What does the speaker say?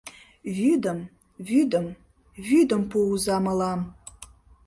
«Вӱдым... вӱдым... вӱдым пуыза мылам».